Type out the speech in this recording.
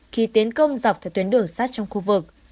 khi tiến công dọc theo tuyến đường sát trong khu vực